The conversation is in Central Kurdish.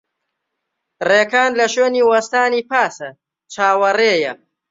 ڕێکان لە شوێنی وەستانی پاسە، چاوەڕێیە.